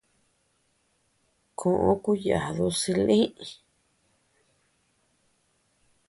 Koʼö kuyadu silï.